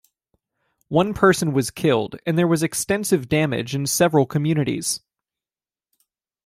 One person was killed and there was extensive damage in several communities.